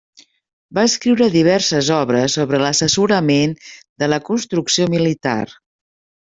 Va escriure diverses obres sobre l'assessorament de la construcció militar.